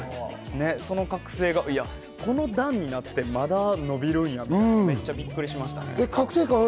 その覚醒がこの段になってまだ伸びるんやと思って、めっちゃびっくりしましたね。